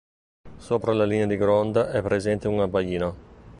Sopra la linea di gronda è presente un abbaino.